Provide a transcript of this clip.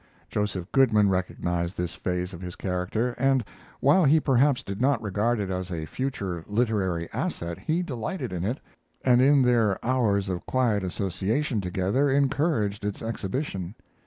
Joseph Goodman recognized this phase of his character, and, while he perhaps did not regard it as a future literary asset, he delighted in it, and in their hours of quiet association together encouraged its exhibition.